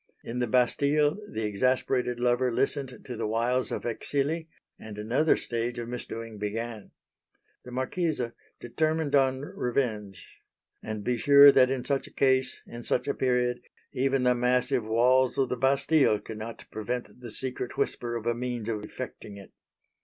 In the Bastille the exasperated lover listened to the wiles of Exili; and another stage of misdoing began. The Marquise determined on revenge, and be sure that in such a case in such a period even the massive walls of the Bastille could not prevent the secret whisper of a means of effecting it.